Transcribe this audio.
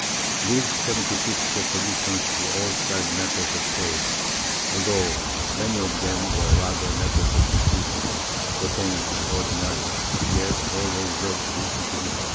These seventy six propositions were all styled matters of faith, although many of them were rather matters of discipline, pertaining to the Ordinary, yet all were reserved to the Inquisition.